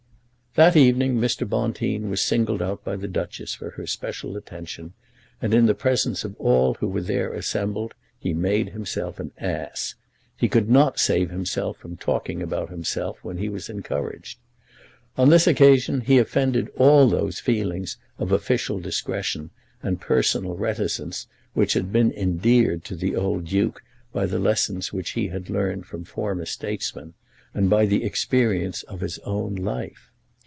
That evening Mr. Bonteen was singled out by the Duchess for her special attention, and in the presence of all who were there assembled he made himself an ass. He could not save himself from talking about himself when he was encouraged. On this occasion he offended all those feelings of official discretion and personal reticence which had been endeared to the old duke by the lessons which he had learned from former statesmen and by the experience of his own life.